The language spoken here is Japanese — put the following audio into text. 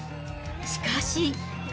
しかし。